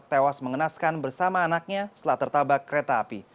tewas mengenaskan bersama anaknya setelah tertabak kereta api